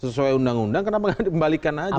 sesuai undang undang kenapa nggak dikembalikan aja